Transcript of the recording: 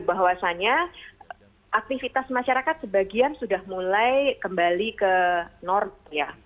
bahwasannya aktivitas masyarakat sebagian sudah mulai kembali ke norm